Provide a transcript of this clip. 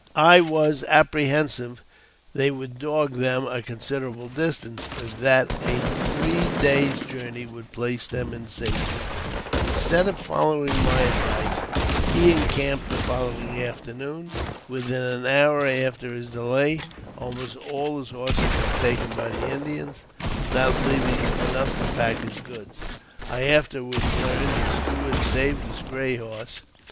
I was ap prehensive they would dog them a considerable distance, but that a three days' journey would place them in safety. Instead of following my advice, he encamped the following i 234 AUTOBIOGBAPHY OF afternoon. Within an hour after his delay, almost all his horses were taken by the Indians, not leaving him enough ta pack his goods. I afterwards learned that Stuart saved his gray horse.